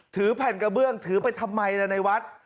ถือแผ่นกระเบื้องถือไปทำไมล่ะในวัด